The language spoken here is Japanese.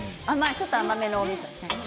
ちょっと甘めのおみそです。